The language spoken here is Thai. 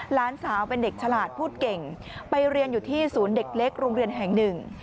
หลานสาวเป็นเด็กฉลาดพูดเก่งไปเรียนอยู่ที่ศูนย์เด็กเล็กโรงเรียนแห่งหนึ่ง